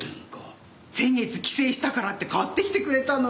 先月帰省したからって買ってきてくれたの。